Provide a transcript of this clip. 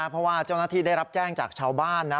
เพราะว่าเจ้าหน้าที่ได้รับแจ้งจากชาวบ้านนะ